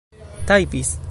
tajpis